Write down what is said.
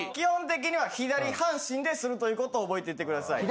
でするということを覚えていってください。